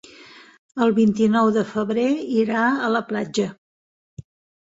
El vint-i-nou de febrer irà a la platja.